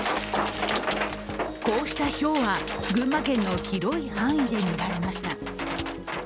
こうしたひょうは群馬県の広い範囲で見られました。